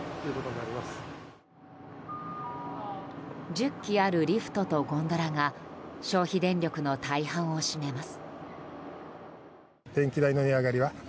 １０基あるリフトとゴンドラが消費電力の大半を占めます。